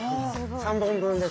３本分です。